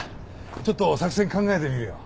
ちょっと作戦考えてみるよ。